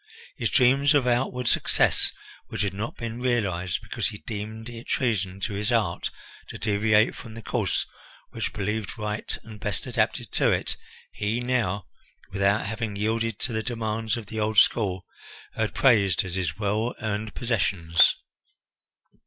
His dreams of outward success which had not been realized, because he deemed it treason to his art to deviate from the course which he believed right and best adapted to it, he now, without having yielded to the demands of the old school, heard praised as his well earned possessions.